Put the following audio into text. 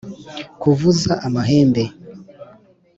kuvuza amahembe.